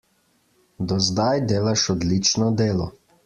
Do zdaj delaš odlično delo.